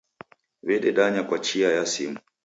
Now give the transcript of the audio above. W'ededanya kwa chia ya simu.